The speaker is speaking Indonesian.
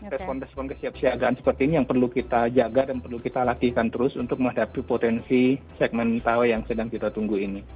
respon respon kesiapsiagaan seperti ini yang perlu kita jaga dan perlu kita latihkan terus untuk menghadapi potensi segmen mentawai yang sedang kita tunggu ini